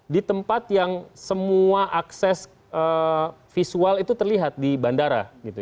di tempat yang semua akses visual itu terlihat di bandara